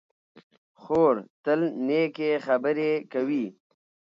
خور تل نېکې خبرې کوي.